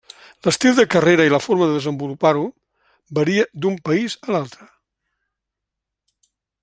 L'estil de carrera i la forma de desenvolupar-ho varia d'un país a l'altre.